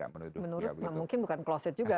menurut mungkin bukan closet juga